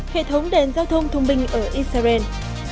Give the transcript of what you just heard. hệ thống đèn giao thông thông minh ở israel